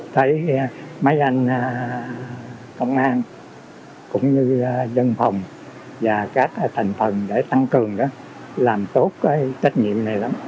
thấy mấy anh công an cũng như dân phòng và các thành phần để tăng cường đó làm tốt cái trách nhiệm này lắm